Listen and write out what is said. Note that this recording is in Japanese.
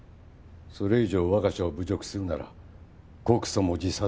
それ以上我が社を侮辱するなら告訴も辞さずだ。